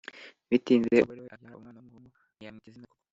bitinze umugore we abyara umwana w'umuhungu ntiyamwita izina koko.